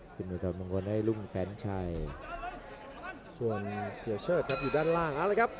ชื่นอุดธรรมงวลให้รุ่งสัญชัยช่วงเสียเชิดครับอยู่ด้านล่างเอาแล้วครับ